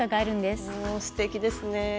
すてきですね。